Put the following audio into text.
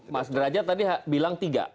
mas derajat tadi bilang tiga